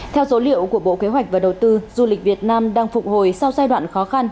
theo số liệu của bộ kế hoạch và đầu tư du lịch việt nam đang phục hồi sau giai đoạn khó khăn